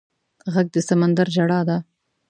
غږ د سمندر ژړا ده